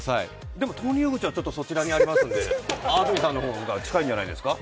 でも投入口はそちらにありますので安住さんの方が近いんじゃないですか。